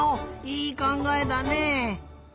いいかんがえだね！